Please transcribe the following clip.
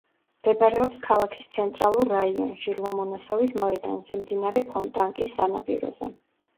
მდებარეობს ქალაქის ცენტრალურ რაიონში, ლომონოსოვის მოედანზე, მდინარე ფონტანკის სანაპიროზე.